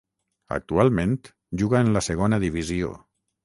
Actualment juga en la Segona Divisió.